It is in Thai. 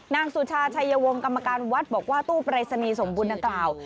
นางสุชาชายวงกรรมการวัดบอกว่าตู้ปริศนีสมบูรณ์นะครับ